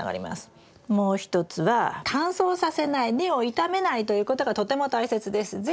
もう一つは乾燥させない根を傷めないということがとても大切です。